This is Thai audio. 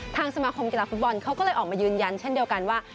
สมาคมกีฬาฟุตบอลเขาก็เลยออกมายืนยันเช่นเดียวกันว่า